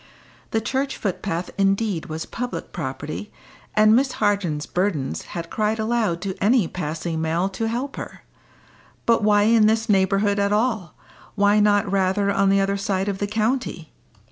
The church footpath indeed was public property, and Miss Harden's burdens had cried aloud to any passing male to help her. But why in this neighbourhood at all? why not rather on the other side of the county?